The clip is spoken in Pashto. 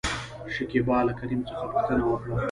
شکيبا له کريم څخه پوښتنه وکړه ؟